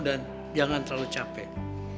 dan jangan terlalu capek